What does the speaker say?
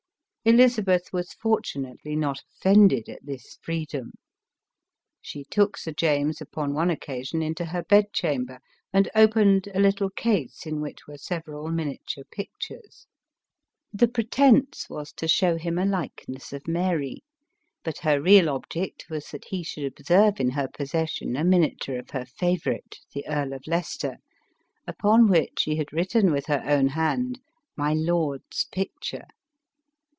Elizabeth was fortunately not offended at this freedom. She took Sir James, upon one occasion, into her bed chamber and opened a little case in which were several miniature pictures. The pretence was to show him a likeness of Mary, but her real object was that he should observe in her pos session a miniature of her favorite, the Earl of Leices ter, upon which she had written with her own hand, " My lord's picture."